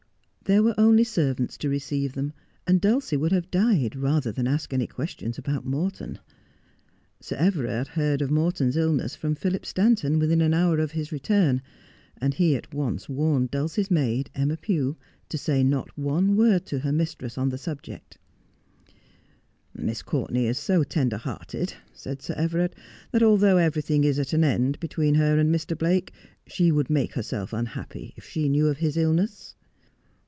There were only servants to receive them, and Dulcie would have died rather than ask any questions about Morton. Sir Everai d heard of Morton's illness from Philip Stanton within an hour of his return, and he at once warned Dulcie's maid, Emma Pew, to say not one word to her mistress on the subject. ' Miss Courtenay is so tender hearted,' said Sir Everard, that, although everything is at an end between her and Mr. Blake, she would make herself unhappy if she knew of his illness.'